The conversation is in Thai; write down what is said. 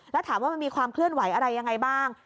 แล้วถามว่ามันมีความเคลื่อนไหวอะไรยังไงบ้าง